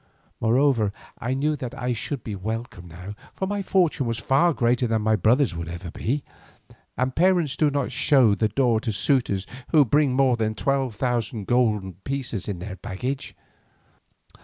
Moreover I knew that I should be welcome now, for my fortune was far greater than my brother's would ever be, and parents do not show the door to suitors who bring more than twelve thousand golden pieces in their baggage.